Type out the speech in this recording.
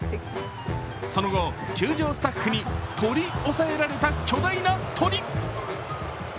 その後、球場スタッフに取り押さえられた巨大な鳥。